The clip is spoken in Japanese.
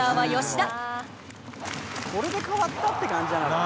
「これで変わったって感じじゃないかな」